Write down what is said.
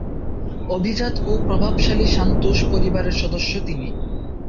অভিজাত ও প্রভাবশালী সান্তোস পরিবারের সদস্য তিনি।